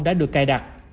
đã được cài đặt